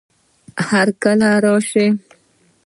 هرکله راشه